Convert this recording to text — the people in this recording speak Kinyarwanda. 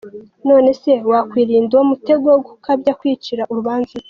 None se, wakwirinda uwo mutego wo gukabya kwicira urubanza ute?.